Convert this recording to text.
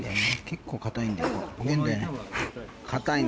結構硬いんだよ。